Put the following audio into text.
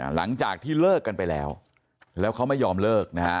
หลังจากที่เลิกกันไปแล้วแล้วเขาไม่ยอมเลิกนะฮะ